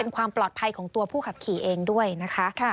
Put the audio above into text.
ความปลอดภัยของตัวผู้ขับขี่เองด้วยนะคะ